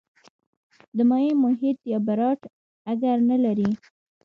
د مایع محیط یا براټ اګر نه لري.